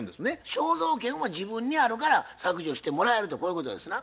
肖像権は自分にあるから削除してもらえるとこういうことですな？